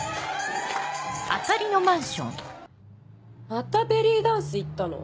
またベリーダンス行ったの？